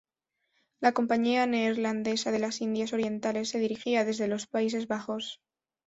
La Compañía Neerlandesa de las Indias Orientales se dirigía desde los Países Bajos.